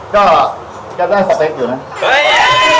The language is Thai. ก็ก็ได้คอเต็มต์อยู่นะ